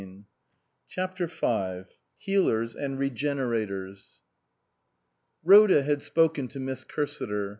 240 CHAPTER V HEALERS AND REGENERATORS RHODA had spoken to Miss Cursiter.